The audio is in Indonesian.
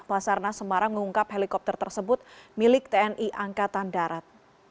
basarnas semarang mengungkap helikopter tersebut milik tni angkatan darat